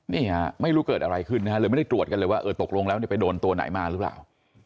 นี่ฮะไม่รู้เกิดอะไรขึ้นนะฮะเลยไม่ได้ตรวจกันเลยว่าเออตกลงแล้วไปโดนตัวไหนมาหรือเปล่า